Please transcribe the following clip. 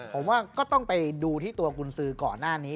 ผมว่าก็ต้องไปดูที่ตัวกุญสือก่อนหน้านี้